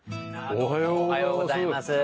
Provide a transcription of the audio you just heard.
おはようございます。